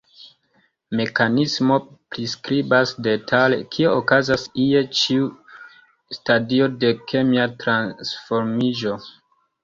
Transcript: Mekanismo priskribas detale kio okazas je ĉiu stadio de kemia transformiĝo.